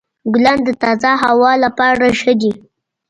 ګلان د تازه هوا لپاره ښه دي.